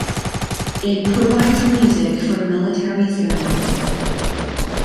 It provides music for military ceremonies.